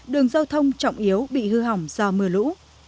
đường giao thông trọng yếu bị hư hỏng do mưa lũ